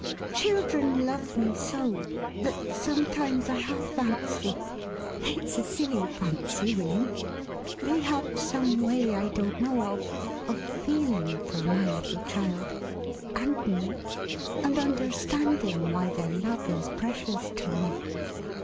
"Children love me so, that sometimes I half fancy — it's a silly fancy, William — they have some way I don't know of, of feeling for my little child, and me, and understanding why their love is precious to me.